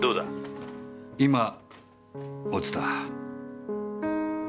今落ちた。